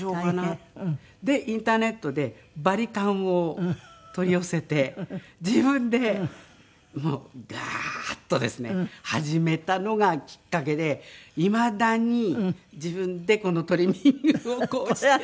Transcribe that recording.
でインターネットでバリカンを取り寄せて自分でガーッとですね始めたのがきっかけでいまだに自分でトリミングをこうしてる。